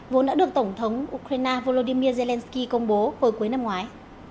vốn đã được tổng thống ukraine volodymyr zelensky công bố hồi cuối năm ngoái